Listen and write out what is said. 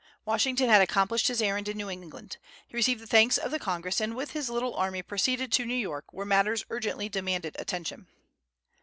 Washington had accomplished his errand in New England. He received the thanks of the Congress, and with his little army proceeded to New York, where matters urgently demanded attention.